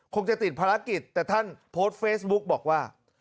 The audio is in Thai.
คงจะติดภารกิจแต่ท่านโพสต์เฟซบุ๊กบอกว่า